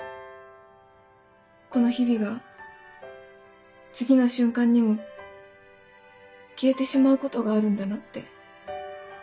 この日々が次の瞬間にも消えてしまうことがあるんだなって。